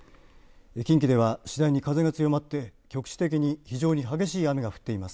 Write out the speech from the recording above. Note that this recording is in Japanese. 近畿では次第に風が強まって局地的に非常に激しい雨が降っています。